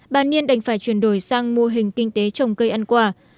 bà niên đành phải chuyển đổi sang mô hình kinh tế trồng cây ăn quả